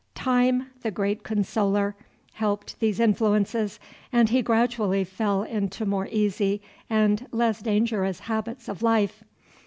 Time, the great consoler, helped these influences, and he gradually fell into more easy and less dangerous habits of life.